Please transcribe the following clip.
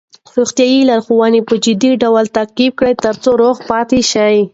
روغتیايي لارښوونې په جدي ډول تعقیب کړئ ترڅو روغ پاتې شئ.